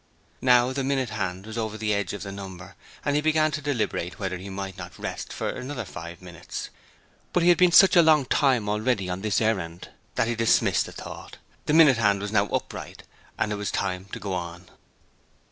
Now, the minute hand was over the edge of the number, and he began to deliberate whether he might not rest for another five minutes? But he had been such a long time already on his errand that he dismissed the thought. The minute hand was now upright and it was time to go on.